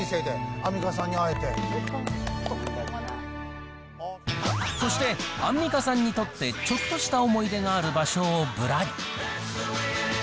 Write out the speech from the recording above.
アンミカさんに会えそして、アンミカさんにとってちょっとした思い出がある場所をぶらり。